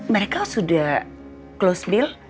mereka sudah close bill